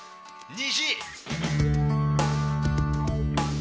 『虹』